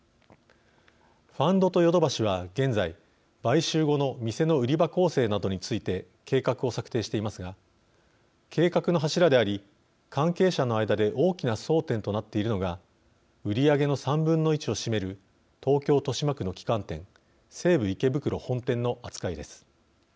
ファンドとヨドバシは現在、買収後の店の売り場構成などについて計画を策定していますが計画の柱であり関係者の間で大きな争点となっているのが売り上げの３分の１を占める東京、豊島区の旗艦店西武池袋本店の扱いです。